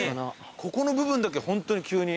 ここの部分だけホントに急に。